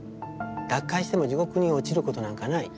脱会しても地獄に落ちることなんかない。